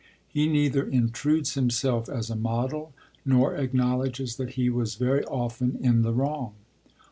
He neither intrudes himself as a model, nor acknowledges that he was very often in the wrong.